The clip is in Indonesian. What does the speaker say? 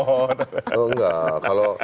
oh tidak kalau